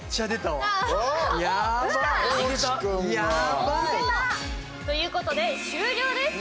困った。ということで終了です。